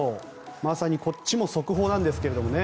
まさに、こっちも速報なんですけれどもね。